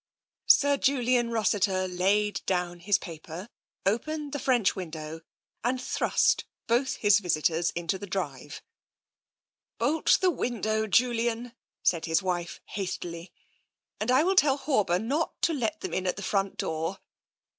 Sir Julian Rossiter laid down his paper, opened the French window, and thrust both his visitors into the drive. " Bolt the window, Julian," said his wife hastily. " And I will tell Horber not to let them in at the front door.